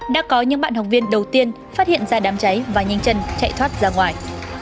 đã có những bạn học viên đầu tiên phát hiện ra đám cháy và nhanh chân chạy thoát ra ngoài